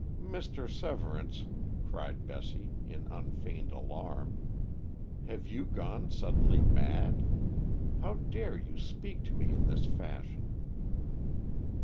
"Mr. Severance," cried Bessie, in unfeigned alarm, "have you gone suddenly mad? How dare you speak to me in this fashion?"